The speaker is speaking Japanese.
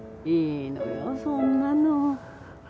いいのよそんなの。